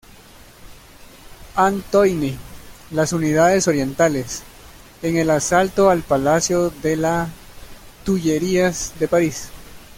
Antoine, las unidades orientales, en el asalto al palacio de la Tullerías de París.